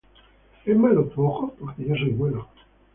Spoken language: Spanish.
¿es malo tu ojo, porque yo soy bueno?